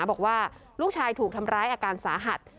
บอกว่าลูกชายถูกทำร้ายอาการสาหัส